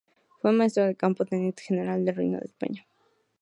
Fue Maestro de Campo, Teniente General del Reino de España.